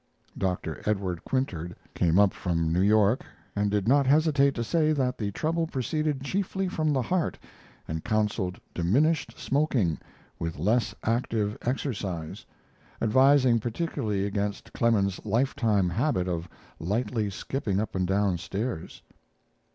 Dr. Edward Quintard came up from New York, and did not hesitate to say that the trouble proceeded chiefly from the heart, and counseled diminished smoking, with less active exercise, advising particularly against Clemens's lifetime habit of lightly skipping up and down stairs.